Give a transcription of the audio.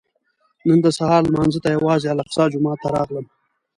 نن د سهار لمانځه ته یوازې الاقصی جومات ته راغلم.